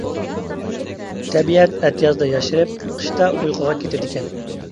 تەبىئەت ئەتىيازدا ياشىرىپ، قىشتا ئۇيقۇغا كېتىدىكەن.